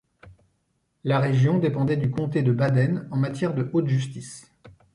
La région dépendait du comté de Baden en matière de haute justice.